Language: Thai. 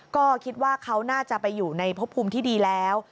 ก็คิดว่าเขาน่าจะไปอยู่ในพบภูมิที่ดีแล้ว